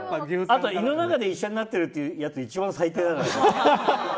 あと胃の中で一緒になってるっていうやつ一番最低だから。